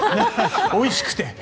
おいしくて。